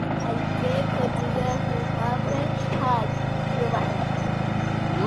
Aike kotyjahuhápe ha ajovahéi.